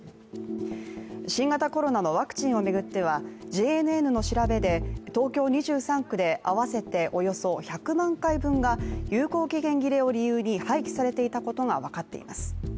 新型コロナのワクチンを巡ってはＪＮＮの調べで東京２３区で合わせておよそ１００万回分が有効期限切れを理由に廃棄されていたことが分かっています。